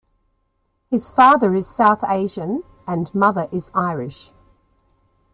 His father is South Asian and mother is Irish.